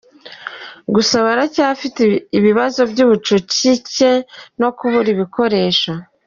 Gusa baracyafite ibibazo by’ubucucike no kubura ibikoresho.